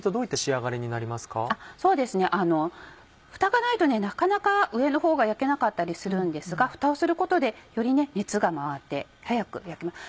あのフタがないとなかなか上のほうが焼けなかったりするんですがフタをすることでより熱が回って早く焼けます。